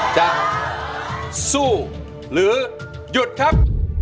จะสู้หรือหยุดครับ